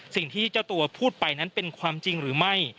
สิ่งที่เจ้าตัวพูดไปนั้นเป็นความจริงหรือไม่